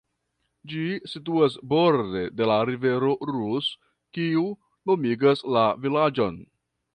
Ĝi situas borde de la rivero Rus, kiu nomigas la vilaĝon.